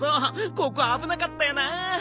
ここ危なかったよな。